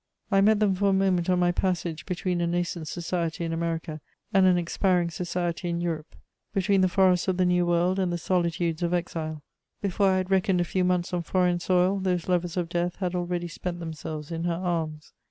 I met them for a moment on my passage between a nascent society in America and an expiring society in Europe; between the forests of the New World and the solitudes of exile: before I had reckoned a few months on foreign soil, those lovers of death had already spent themselves in her arms.